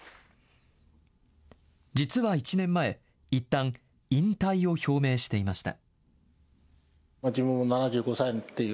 実は１年前、いったん、引退を表明していました。